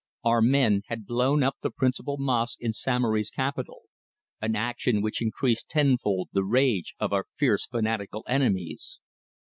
Our men had blown up the principal mosque in Samory's capital, an action which increased tenfold the rage of our fierce fanatical enemies.